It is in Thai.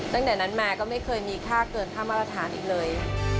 ตั้งแต่นั้นมาก็ไม่เคยมีค่าเกินค่ามาตรฐานอีกเลย